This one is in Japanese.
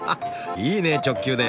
いいね直球で！